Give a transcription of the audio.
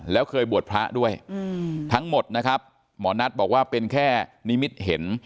แล้วเคยบวชพระด้วยทั้งหมดนะครับหมอนัทบอกว่าเป็นแค่นิมิตเห็น